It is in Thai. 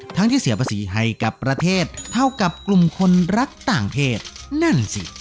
ที่เสียภาษีให้กับประเทศเท่ากับกลุ่มคนรักต่างเพศนั่นสิ